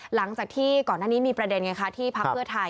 หลังจากที่ก่อนหน้านี้มีประเด็นไงคะที่พักเพื่อไทย